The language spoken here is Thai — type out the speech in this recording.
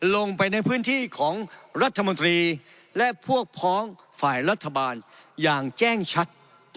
ลงไปในพื้นที่ของรัฐมนตรีและพวกพ้องฝ่ายรัฐบาลอย่างแจ้งชัด